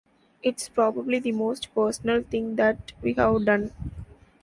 It's probably the most personal thing that we've done.